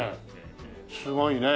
すごいね。